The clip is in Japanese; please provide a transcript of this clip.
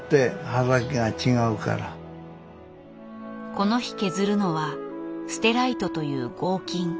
この日削るのはステライトという合金。